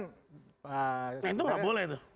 nah itu nggak boleh tuh